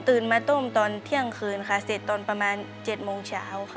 มาต้มตอนเที่ยงคืนค่ะเสร็จตอนประมาณ๗โมงเช้าค่ะ